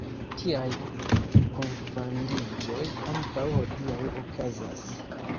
Tiaj kunfandiĝoj ankaŭ hodiaŭ okazas.